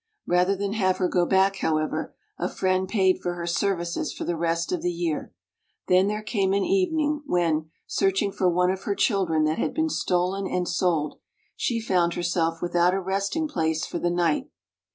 Rather than have her go back, however, a friend paid for her services for the rest of the year. Then there came an evening when, searching for one of her children that had been stolen and sold, she found herself without a resting place for the night.